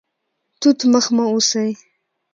توت مخ مه اوسئ